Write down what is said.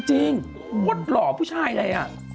จริงโฮดหล่อผู้ชายเลยอ่ะ